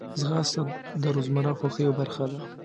ځغاسته د روزمره خوښیو برخه ده